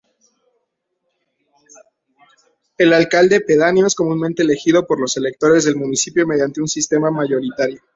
El Alcalde Pedáneo es comúnmente elegido por los electores del municipio mediante sistema mayoritario.